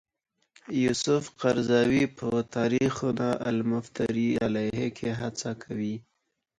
یوسف قرضاوي په تاریخنا المفتری علیه کې هڅه کوي.